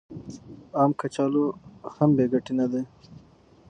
عام کچالو هم بې ګټې نه دي.